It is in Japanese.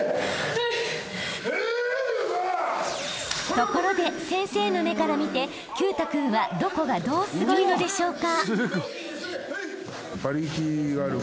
［ところで先生の目から見て毬太君はどこがどうすごいのでしょうか？］